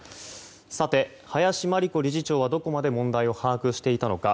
さて、林真理子理事長はどこまで問題を把握していたのか。